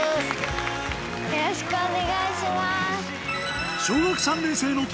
よろしくお願いします。